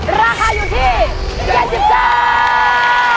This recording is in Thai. ราคาอยู่ที่เจ็ดสิบเก้า